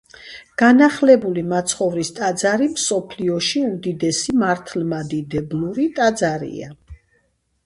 განახლებული მაცხოვრის ტაძარი მსოფლიოში უდიდესი მართლმადიდებლური ტაძარია.